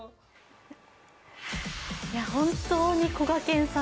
本当にこがけんさん